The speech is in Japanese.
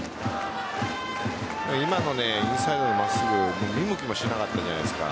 今のインサイドの真っすぐに見向きもしなかったじゃないですか。